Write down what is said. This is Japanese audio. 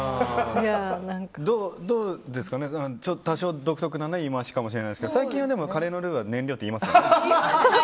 多少、独特な言い回しかもしれないですけど最近はカレーのルーは燃料って言いますよね。